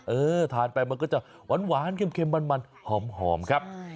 เออทานไปมันก็จะหวานเค็มมันหอมครับ